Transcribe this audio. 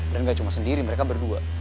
dan gak cuma sendiri mereka berdua